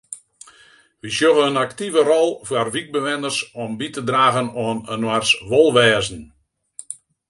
Wy sjogge in aktive rol foar wykbewenners om by te dragen oan inoars wolwêzen.